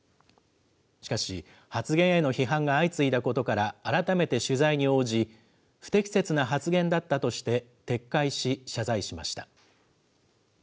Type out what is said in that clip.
しかし、発言への批判が相次いだことから改めて取材に応じ、不適切な発言だったとして、撤回し謝罪しました。